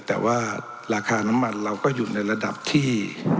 แต่ว่าราคาน้ำมันเราก็อยู่ในระดับที่